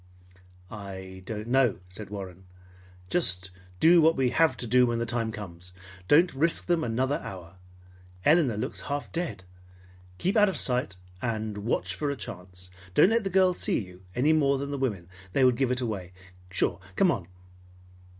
"I don't know," said Warren. "Just do what we have to do when the time comes. Don't risk them another hour. Elinor looks half dead. Keep out of sight and watch for a chance. Don't let the girls see you, any more than the women. They would give it away, sure. Come on!"